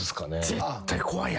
絶対怖いやん。